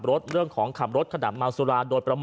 และยืนยันเหมือนกันว่าจะดำเนินคดีอย่างถึงที่สุดนะครับ